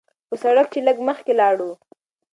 پۀ سړک چې لږ مخکښې لاړو